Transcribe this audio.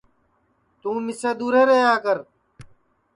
توں مِسے دؔور رہیا کر